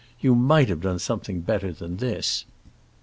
You might have done something better than this.